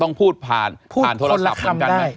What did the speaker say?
ต้องพูดผ่านผ่านโทรศัพท์เหมือนกันไหม